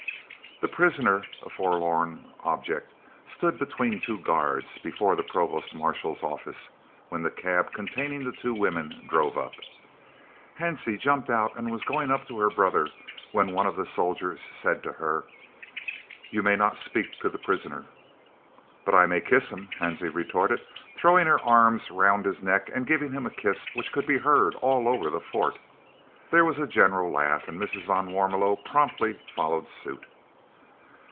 The prisoner, a forlorn object, stood between two guards, before the Provost Marshal's office, when the cab containing the two women drove up. Hansie jumped out and was going up to her brother, when one of the soldiers said to her: "You may not speak to the prisoner." "But I may kiss him!" Hansie retorted, throwing her arms round his neck and giving him a kiss which could be heard all over the Fort. There was a general laugh, and Mrs. van Warmelo promptly followed suit.